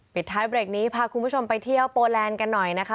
ปิดท้ายเบรกนี้พาคุณผู้ชมไปเที่ยวโปแลนด์กันหน่อยนะคะ